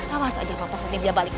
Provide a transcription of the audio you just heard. awas awas aja papa nanti dia balik